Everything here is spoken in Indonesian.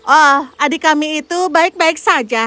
oh adik kami itu baik baik saja